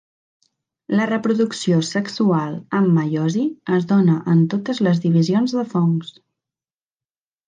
La reproducció sexual amb meiosi es dóna en totes les divisions de fongs.